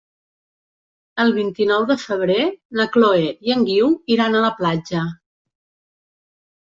El vint-i-nou de febrer na Chloé i en Guiu iran a la platja.